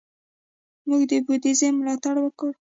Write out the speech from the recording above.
هغه د بودیزم ملاتړ وکړ.